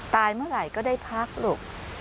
เมื่อไหร่ก็ได้พักลูก